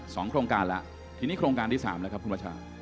โครงการแล้วทีนี้โครงการที่สามแล้วครับคุณประชา